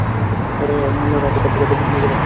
ওরা রাতে কাঁদতে কাঁদতে পিতার নিকট আসল।